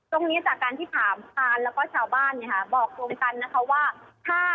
ตรงนี้จากการที่ถามคาลแล้วก็ชาวบ้านเนี่ยค่ะ